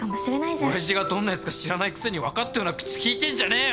親父がどんなやつか知らないくせに分かったような口利いてんじゃねえよ！